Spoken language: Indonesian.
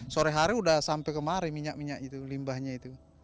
sore hari sudah sampai kemari minyak minyak itu limbahnya itu